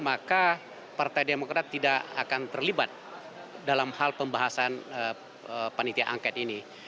maka partai demokrat tidak akan terlibat dalam hal pembahasan panitia angket ini